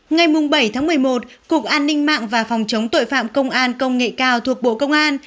ngày bảy tháng một mươi một cục an ninh mạng và phòng chống tội phạm công an công nghệ cao thuộc bộ công an